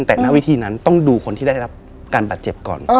แต่หน้าวิธีนั้นต้องดูคนที่ได้รับการบาดเจ็บก่อน